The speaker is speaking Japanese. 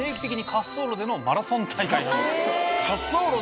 滑走路でのマラソン大会なの？